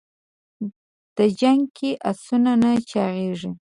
د جنګ کې اسونه نه چاغېږي.